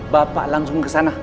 bapak langsung kesana